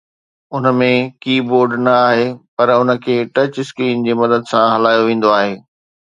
ان ۾ ڪي بورڊ نه آهي پر ان کي ٽچ اسڪرين جي مدد سان هلايو ويندو آهي